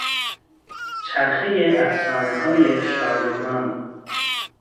چرخهی افسانههای شارلمان